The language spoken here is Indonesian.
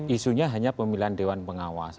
isunya hanya pemilihan dewan pengawas